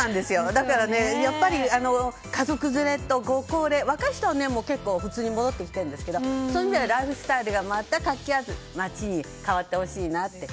だから、家族連れとご高齢若い人は結構戻ってきてるんですけどそういう意味ではライフスタイルが戻った街に変わってほしいなと。